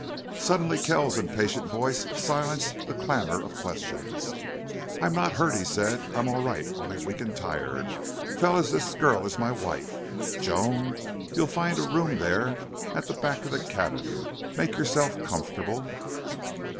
Suddenly Kells's impatient voice silenced the clamor of questions. "I'm not hurt," he said. "I'm all right only weak and tired. Fellows, this girl is my wife.... Joan, you'll find a room there at the back of the cabin. Make yourself comfortable."